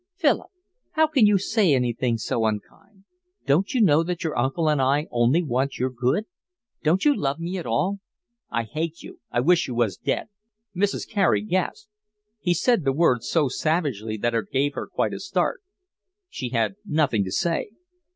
"Philip, how can you say anything so unkind? Don't you know that your uncle and I only want your good? Don't you love me at all?" "I hate you. I wish you was dead." Mrs. Carey gasped. He said the words so savagely that it gave her quite a start. She had nothing to say.